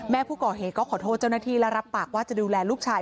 ผู้ก่อเหตุก็ขอโทษเจ้าหน้าที่และรับปากว่าจะดูแลลูกชาย